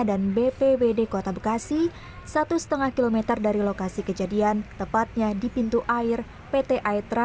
dan bpwd kota bekasi satu setengah kilometer dari lokasi kejadian tepatnya di pintu air pt